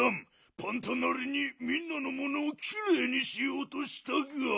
パンタなりにみんなのものをきれいにしようとしたガン。